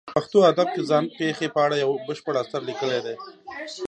په پښتو ادب کې ځان پېښې په اړه یو بشپړ اثر لیکلی دی.